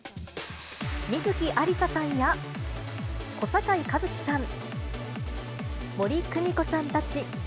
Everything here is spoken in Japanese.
観月ありささんや、小堺一機さん、森公美子さんたち。